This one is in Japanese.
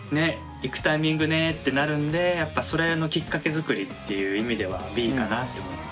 行くタイミングねってなるんでやっぱそれのきっかけ作りっていう意味ではＢかなって思って。